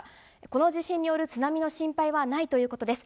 この地震による津波の心配はないということです。